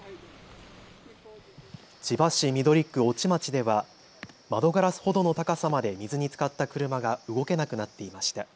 千葉市緑区越智町では窓ガラスほどの高さまで水につかった車が動けなくなっていました。